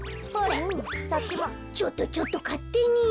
ちょっとちょっとかってに。